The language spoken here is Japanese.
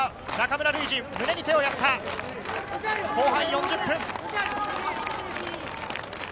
後半４０分。